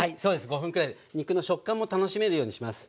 ５分くらいで肉の食感も楽しめるようにします。